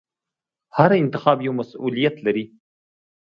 هر انتخاب یو مسؤلیت لري.